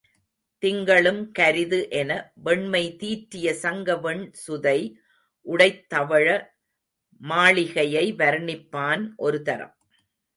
திங்களும் கரிது என, வெண்மை தீற்றிய சங்க வெண் சுதை உடைத் தவள மாளிகையை வர்ணிப்பான் ஒருதரம்.